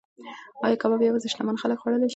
ایا کباب یوازې شتمن خلک خوړلی شي؟